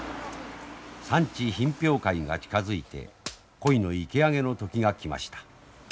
産地品評会が近づいて鯉の池上げの時が来ました。